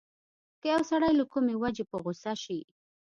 که يو سړی له کومې وجې په غوسه شي.